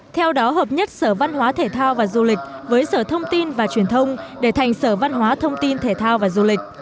theo đó hợp nhất sở văn hóa thể thao và du lịch với sở thông tin và truyền thông để thành sở văn hóa thông tin thể thao và du lịch